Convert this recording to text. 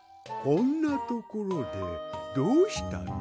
こんなところでどうしたの？